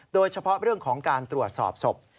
โดยเฉพาะเรื่องของการตรวจสอบศพ